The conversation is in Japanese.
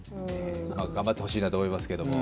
頑張ってほしいなと思いますけど。